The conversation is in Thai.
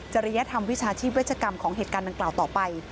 ริยธรรมวิชาชีพเวชกรรมของเหตุการณ์ดังกล่าวต่อไป